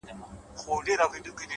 اوس دادی،